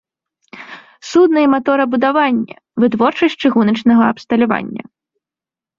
Судна- і маторабудаванне, вытворчасць чыгуначнага абсталявання.